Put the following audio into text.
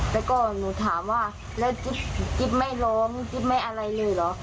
แล้วก็หนูถามว่าแล้วจิ๊บไม่ร้องจิ๊บไม่อะไรเลยเหรอ